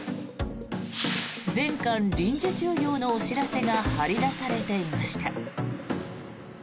全館臨時休業のお知らせが貼り出されていました。